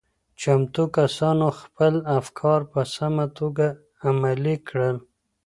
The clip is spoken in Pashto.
چمتو کسانو خپل افکار په سمه توګه عملي کړل.